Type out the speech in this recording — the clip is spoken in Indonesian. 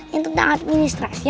yang tentang administrasinya